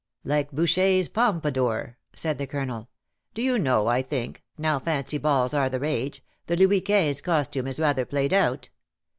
" Like Boucher^s Pompadour/^ said the Colonel. " Do you know I think^ now fancy balls are the rage, the Louis Quinze costume is rather played out.